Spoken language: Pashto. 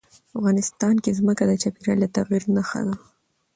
افغانستان کې ځمکه د چاپېریال د تغیر نښه ده.